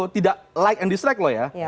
tidak like and district loh ya